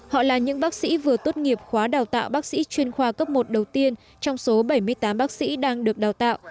họ là những bác sĩ vừa tốt nghiệp khóa đào tạo bác sĩ chuyên khoa cấp một đầu tiên trong số bảy mươi tám bác sĩ đang được đào tạo